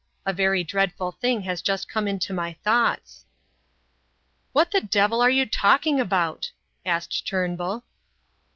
A very dreadful thing has just come into my thoughts." "What the devil are you talking about?" asked Turnbull.